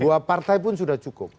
dua partai pun sudah cukup